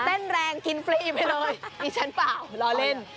เต้นแรงกินฟรีไปเลยดิฉันเปล่ารอเล่น